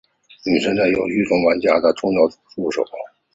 女神在游戏中是玩家的重要助手。